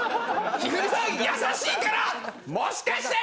優しいからもしかして！